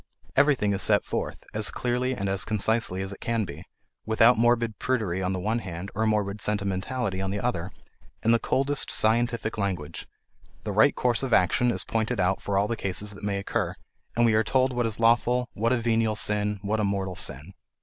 Everything is set forth, as clearly and as concisely as it can be without morbid prudery on the one hand, or morbid sentimentality on the other in the coldest scientific language; the right course of action is pointed out for all the cases that may occur, and we are told what is lawful, what a venial sin, what a mortal sin.